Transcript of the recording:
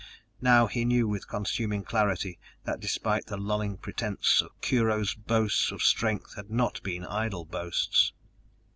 Now he knew with consuming clarity, that despite the lulling pretense Kurho's boasts of strength had not been idle boasts!